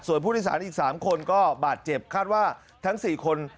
ส่วนผู้โดยสารอีก๓คนก็บาดเจ็บคาดว่าทั้ง๔คน